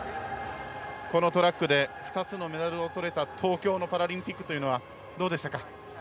このトラックで２つのメダルをとれた東京のパラリンピックというのはどうでしたか？